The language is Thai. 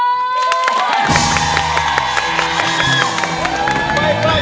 ไม่ค่อยจะตอบไม่ค่อยจะตอบผิด